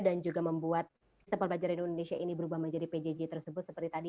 dan juga membuat tempel belajar indonesia ini berubah menjadi pjj tersebut seperti tadi